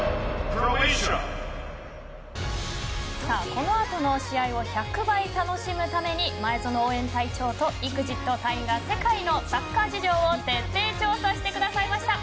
このあとの試合を１００倍楽しむために前園応援隊長とＥＸＩＴ隊員が世界のサッカー事情を徹底調査してくださいました。